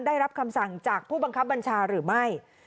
ได้รับคำสั่งจากผู้บังคับบัญชาหรือไม่